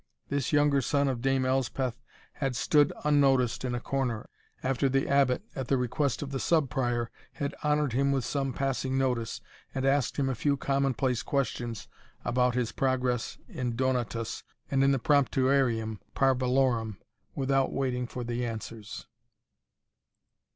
This younger son of Dame Elspeth had stood unnoticed in a corner, after the Abbot, at the request of the Sub Prior, had honoured him with some passing notice, and asked him a few common place questions about his progress in Donatus, and in the Promptuarium Parvulorum, without waiting for the answers.